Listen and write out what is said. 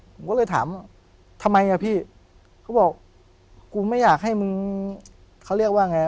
ผมก็เลยถามทำไมอ่ะพี่เขาบอกกูไม่อยากให้มึงเขาเรียกว่าไง